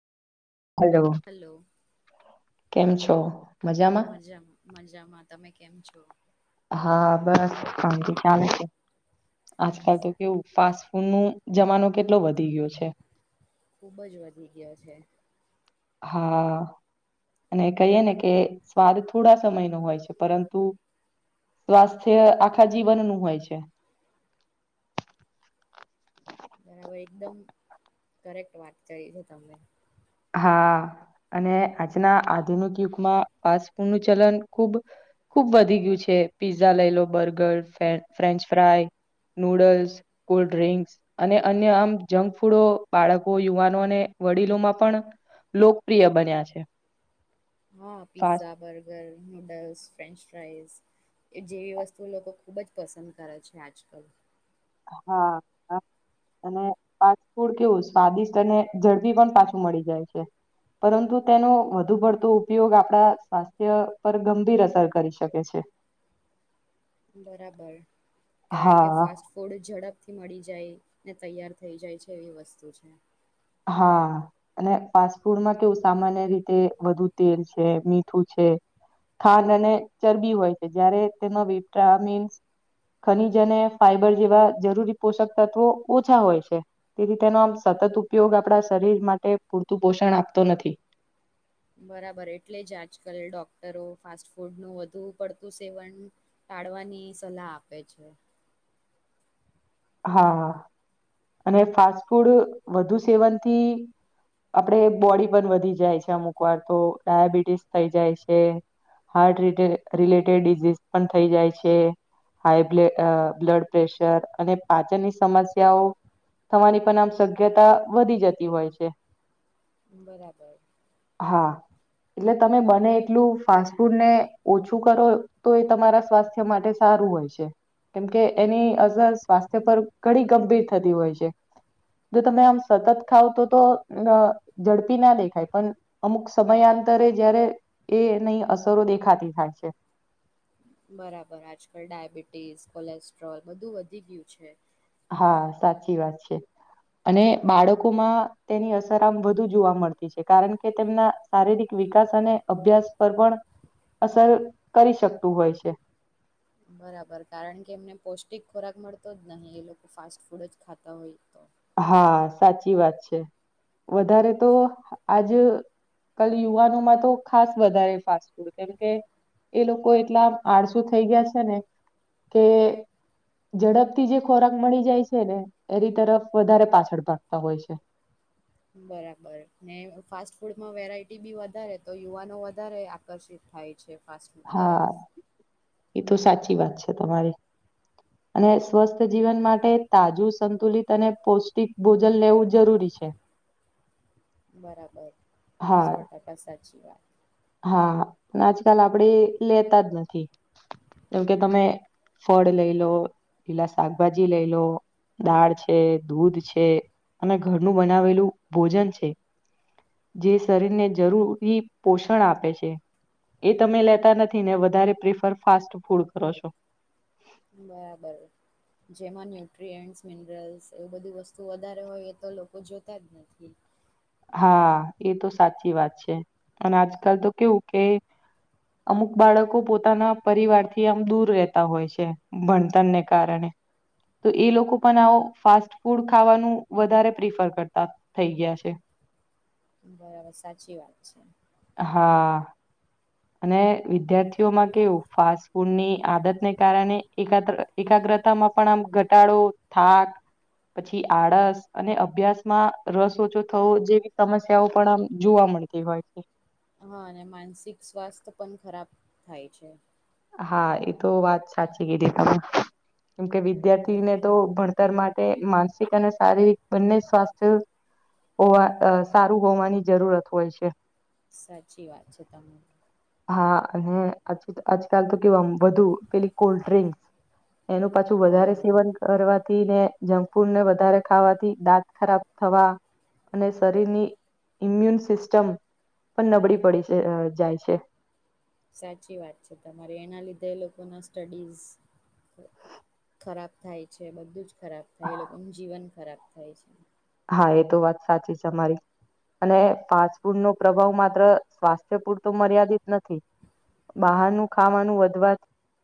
Hello! Hello કેમ છો? મજામાં મજામાં. તમે કેમ છો? હા, બસ કથી ચાલે છે. આજકાલ તો કેવું ફાસ્ટ ફૂડ નો જમાનો કેટલો વધી ગયો છે. ખુબજ વધી ગયો છે. હા. અને કહીએે ને કે સ્વાદ થોડા સમયનો હોય છે, પરંતુ સ્વાસ્થ્ય આખા જીવનનું હોય છે. બરાબર, એકદમ કરેક્ટ વાત કરી હો તમે. હા. અને આજના આધુનિક યુગમાં ફ ફૂડ નું ચલન ખુબ ખુબ વધી ગયું છે. પીઝા લઈ લો બર્ગર, ફ્રેન્ચ ફ્રાય કે નુડલ્સ, કોલ્ડ ડ્રિંક્સ અને અન્ય આમ જંક ફૂડો બાળકો યુવાનોને વડીલોમાં પણ લોકપ્રિય બન્યા છે. હા fast pizza, burger, noodles, French fries એ જેવી વસ્તુ લોકો ખુબ જ પસંદ કરે છે આજકાલ હા હ અને ફાસ્ટ ફૂડ કેવું સ્વાદિષ્ટ અને ઝડપી પણ પાછું મળી જાય છે. પરંતુ તેનો વધુ પડતો ઉપયોગ આપણા સ્વાસ્થ્ય પર ગંભીર અસર કરી શકે છે. બરાબર, કારણ કે હા ફાસ્ટ ફૂડ ઝડપ થી મળી જાય. ને તૈયાર થઈ જાય છે એવી વસ્તુ છે. હા, અને ફાસ્ટફૂડમાં કેવું સામાન્ય રીતે વધુ તેલ છે, મીઠું છે. ખાંડ અને ચરબી હોય છે, જયારે તેમાં વિટામીસ ખનીજ અને ફાઈબર જેવા જરૂરી પોષક તત્વો ઓછા હોય છે, તેથી તેનો આમ સતત ઉપયોગ આપણા શરીર માટે પૂરતું પોષણ આપતો નથી. બરાબર, એટલે જ આજ કલ ડોક્ટરો ફાસ્ટ ફૂડ નું વધુ પડતું સેવન તાડ તાળવાની સલાહ આપે છે. હા અને ફાસ્ટ ફૂડ વધુ સેવનથી આપડે બોડી પણ વધી જાય છે, અમુક વાર તો ડાયાબિટીસ થઈ જાય છે. હાર્ટ ર રિલેટેડ ડિઝઝ પણ થઈ જાય છે. હાઈ બ્લડ પ્રેશર અને પાચનની સમસ્યાઓ થવાની પણ આમ શક્યતા વધી જતી હોય છે. બરાબર. હા. એટલે તમે બને એટલું ફાસ્ટ ફૂડ ને ઓછું કરો તો એ તમારા સ્વાસ્થ્ય માટે સારુ સારુ હોય કેમકે એની અસર સ્વાસ્થ્ય પર ઘણી ગંભીર થતી હોય છે. જો તમે આમ સતત ખાવ તો-તો અહ ઝડપી ના દેખાય, પણ અમુક સમય [unintelligible] તા રહે જયારે એ એની અસરો દેખાતી થાય છે. બરાબર. આજકાલ ડાયાબિટીસ, કોલેસ્ટ્રોલ બધું વધી ગયું છે. હા સાચી વાત છે અને બાળકોમાં તેની અસર આમ વધુ જોવા મળતી છે કારણ કે તેમના શારીરિક વિકાસ અને અભ્યાસ પર પણ અસર કરી શકતું હોય છે બરાબર કારણ કે એમને પૌષ્ટિક ખોરાક મળતો જ નહીિ એ લોકો ફાસ્ટ ફૂડ જ ખાતા હોય તો હા સાચી વાત છે વધારે તો આજ ક યુવાનોમાં તો ખાસ વધારે ફાસ્ટ ફૂડ કેમકે એ લોકો એટલા આળસુ થઈ ગયા છે ને કે ઝડપથી જે ખોરાક મળી જાય છે ને એની તરફ વધારે પાછળ પાડતા હોય છે બરાબર ને ફાસ્ટ ફૂડમાં વેરાયટી બી વધારે તો યુવાનો વધારે આકર્ષિત થાય છે ફાસ્ટફૂડ હા તરફ એ તો સાચી વાત છે તમારી અને સ્વસ્થ જીવન માટે તાજું સંતુલિત અને પૌષ્ટિક ભોજન લેવું જરૂરી છે બરાબર હા સો ટકા સાચી વાત હા પણ આજકાલ આપણે લેતા જ નથી જેમ કે તમે ફળ લઈ લો પેલા શાકભાજી લઈ લો દાળ છે દૂધ છે અને ઘરનું બનાવેલું ભોજન છે જે શરીરને જરૂરી પોષણ આપે છે એ તમે લેતા નથી ને વધારે પ્રિફર ફાસ્ટ ફૂડ કરો છો બરાબર જેમાં ન્યુટ્રીએન્ટસ મિનરલ્સ એવું બધી વસ્તુ વધારે હોય એ તો લોકો જોતા જ નથી હા એ તો સાચી વાત છે અને આજકાલ તો કેવું કે અમુક બાળકો પોતાના પરિવારથી આમ દૂર રહેતા હોય છે ભણતરને કારણે તો એ લોકો પણ આવો ફાસ્ટ ફૂડ ખાવાનું વધારે પ્રિફર કરતા થઈ ગયા છે બરાબર સાચી વાત છે હા અને વિદ્યાર્થીઓમાં કેવું ફાસ્ટ ફૂડની આદતને કારણે એક એકાગ્ર તામાં પણ આમ ઘટાડો થાક પછી આળસ અને અભ્યાસમાં રસ ઓછો થવો જેવી સમસ્યાઓ પણ આમ જોવા મળતી હોય છે હા અને માનસિક સ્વાસ્થ પણ ખરાબ થાય છે હા એ તો વાત સાચી કીધી તમે કેમ કે હમ વિદ્યાર્થીને તો ભણ માટે માનસિક અને શારીરિક બંને સ્વાસ્થ્ય હોવા સારું હોવાની જરૂરત હોય છે સાચી વાત છે તમને હા અને આજકાલ તો કેવામ બુ પેલી કોલ્ડ ડ્રિંકસ એનું પાછું વધારે હા સેવન કરવા ને જંક ફૂડને વધારે ખાવાથી દાંત ખરાબ થવા અને શરીરની ઇમ્યુન સિસ્ટમ પણ નબળી પડી છે જાય છે સાચી વાત છે તમારે એના લીધે લોકો ના સ્ટડીઝ ખરાબ થાય છે બધું જ ખરાબ થાય એ લોકોનું જીવન ખરાબ થાય છે હા એ તો વાત સાચી છે અમારી અને ફાસ્ટ ફૂડ નો પ્રભાવ માત્ર સ્વાસ્થ્ય પૂરતો મર્યાદિત નથી બહારનું ખાવાનું વધવા